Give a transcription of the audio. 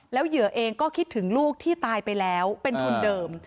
เหยื่อเองก็คิดถึงลูกที่ตายไปแล้วเป็นคนเดิม